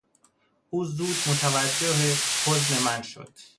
او زود متوجه حزن من شد.